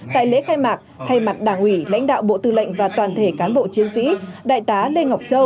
tại lễ khai mạc thay mặt đảng ủy lãnh đạo bộ tư lệnh và toàn thể cán bộ chiến sĩ đại tá lê ngọc châu